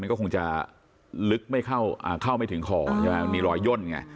มันก็คงจะลึกไม่เข้าอ่าเข้าไม่ถึงคออ๋อมีรอยย่นไง